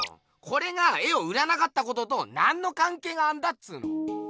これが絵を売らなかったことと何のかんけいがあんだっつーの！